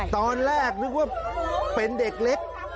ตอนแรกนึกว่าเป็นเด็กเล็ก